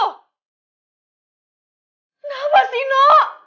kenapa sih no